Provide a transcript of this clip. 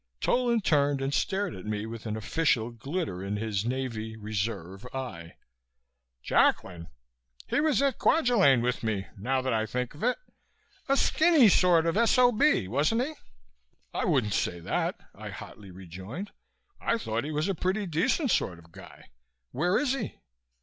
Tolan turned and stared at me with an official glitter in his Navy (Reserve) eye. "Jacklin? He was at Kwajalein with me, now that I think of it. A skinny sort of s.o.b., wasn't he?" "I wouldn't say that," I hotly rejoined. "I thought he was a pretty decent sort of guy. Where is he?"